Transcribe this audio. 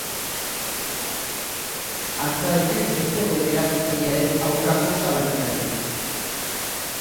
Antza denez, ez zegoen erasotzaileen aurkako salaketarik.